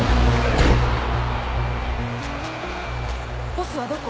「ボスはどこ？」